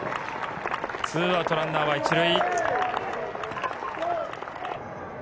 ２アウト、ランナーは１塁。